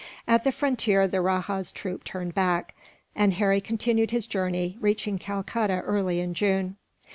At the frontier the rajah's troop turned back, and Harry continued his journey, reaching Calcutta early in June.